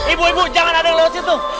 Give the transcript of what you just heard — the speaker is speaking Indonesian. ibu ibu jangan ada yang lewat situ